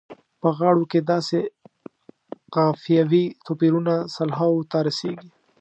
په غاړو کې داسې قافیوي توپیرونه سلهاوو ته رسیږي.